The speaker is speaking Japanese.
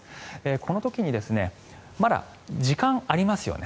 この時にまだ時間がありますよね。